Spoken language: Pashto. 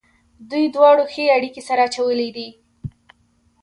دوی دواړو ښې اړېکې سره اچولې دي.